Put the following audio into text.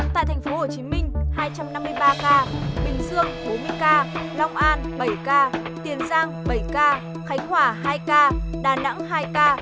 tại tp hcm hai trăm năm mươi ba ca bình dương bốn mươi ca long an bảy ca tiền giang bảy ca khánh hòa hai ca đà nẵng hai ca